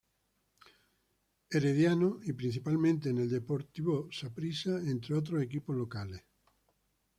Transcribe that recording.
Herediano y principalmente en el Deportivo Saprissa, entre otros equipos locales.